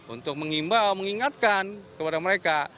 untuk mengimbau mengingatkan kepada mereka